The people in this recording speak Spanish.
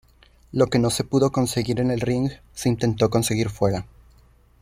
Lo que no se pudo conseguir en el ring, se intentó conseguir fuera.